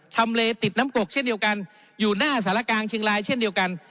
ทำเลติดน้ำกกเช่นเดียวกันอยู่หน้าสารกลางเชียงรายเช่นเดียวกัน